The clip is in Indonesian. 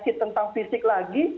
penyakit tentang fisik lagi